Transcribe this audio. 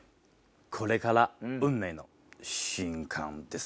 これから運命の瞬間です。